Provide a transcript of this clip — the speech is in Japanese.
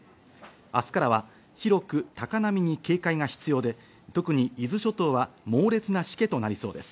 明日からは広く高波に警戒が必要で特に伊豆諸島は猛烈なしけとなりそうです。